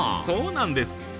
そうなんです！